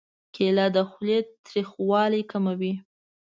کېله د خولې تریخوالی کموي.